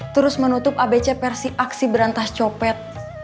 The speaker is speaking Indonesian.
terus menutup abc versi aksi berantas copet